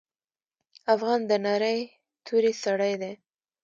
افغان د نرۍ توري سړی دی.